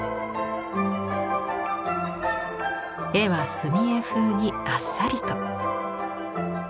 絵は墨絵風にあっさりと。